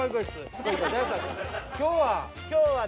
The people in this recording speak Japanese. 今日は？